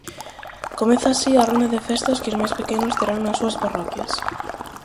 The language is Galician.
Comeza así a ronda de festas que os máis pequenos terán nas súas parroquias.